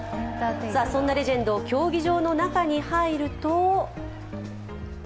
そんなレジェンド競技場の中に入ると。